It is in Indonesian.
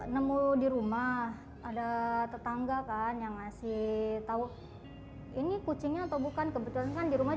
nemu di rumah ada tetangga kan yang ngasih tahu ini kucingnya atau bukan kebetulan kan di rumah